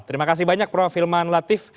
terima kasih banyak profilman latif